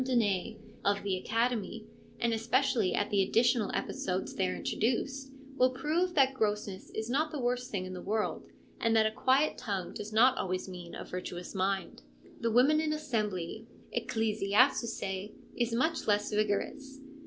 Donnay, of the Academy, and especially at the additional episodes there introduced, will prove that grossness is not the worst thing in the world, and that a quiet tongue does not always mean a virtuous mind. The Women in Assembly, Ecclesiazusce, is much less vigorous.